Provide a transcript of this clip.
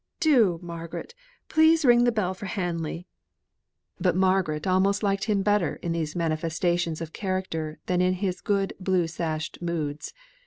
Do, Margaret, please ring the bell for Hanley." But Margaret almost liked him better in these manifestations of character than in his good blue sashed moods.